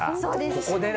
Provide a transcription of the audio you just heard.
ここでだ。